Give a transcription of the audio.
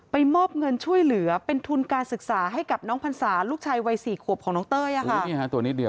มอบเงินช่วยเหลือเป็นทุนการศึกษาให้กับน้องพรรษาลูกชายวัย๔ขวบของน้องเต้ยตัวนิดเดียว